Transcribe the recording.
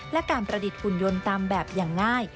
และการประดิษฐหุ่นยนต์ตามแบบอย่างง่าย